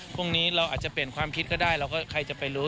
พรุ่งนี้เราอาจจะเปลี่ยนความคิดก็ได้เราก็ใครจะไปรู้